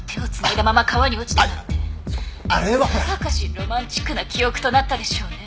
ロマンチックな記憶となったでしょうね。